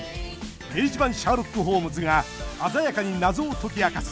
明治版シャーロック・ホームズが鮮やかに謎を解き明かす